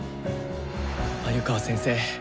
鮎川先生